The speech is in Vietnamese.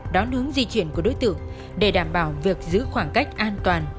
đón hướng di chuyển của đối tượng để đảm bảo việc giữ khoảng cách an toàn